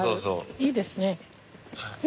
いいですね。